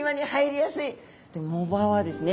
藻場はですね